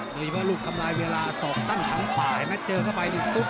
โดยดีว่าลูกทำลายเวลาศอกสั้นทั้งป่ายไม่เจอก้าไปที่ซุฟ